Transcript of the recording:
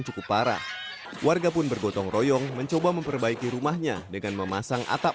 cukup parah warga pun bergotong royong mencoba memperbaiki rumahnya dengan memasang atap